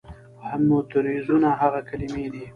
همتوریزونه هغه کلمې دي